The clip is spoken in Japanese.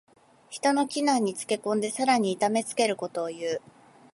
人の危難につけ込んでさらに痛めつけることをいう。